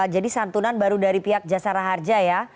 jadi santunan baru dari pihak jasa raharja ya